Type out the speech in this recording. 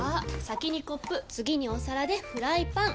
先にコップ次にお皿でフライパン！